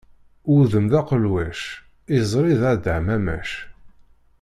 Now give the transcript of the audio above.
Udem d aqelwac, iẓṛi d adaɛmamac.